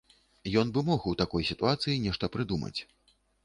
Ён бы мог у такой сітуацыі нешта прыдумаць.